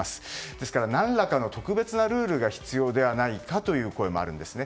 ですから、何らかの特別なルールが必要ではないかとの声もあるんですね。